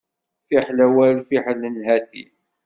Fiḥel awal fiḥel nhati.